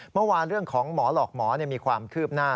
เมื่อวานเรื่องของหมอหลอกหมอมีความคืบหน้า